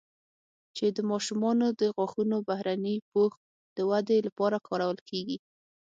چې د ماشومانو د غاښونو بهرني پوښ د ودې لپاره کارول کېږي